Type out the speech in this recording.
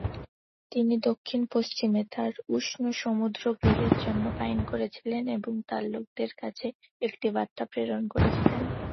তিনি দক্ষিণ-পশ্চিমে তার উষ্ণ সমুদ্র-গৃহের জন্য পাইন করেছিলেন এবং তাঁর লোকদের কাছে একটি বার্তা প্রেরণ করেছিলেন।